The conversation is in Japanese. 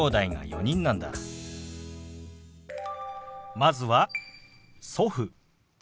まずは「祖父」。